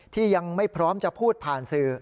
ที่ยังไม่พร้อมจะพูดผ่านสื่อ